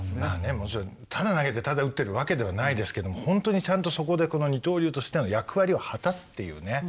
もちろんただ投げてただ打っているわけではないですけども本当にちゃんとそこでこの二刀流としての役割を果たすっていうね。